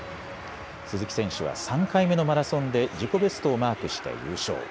鈴木選手は３回目のマラソンで自己ベストをマークして優勝。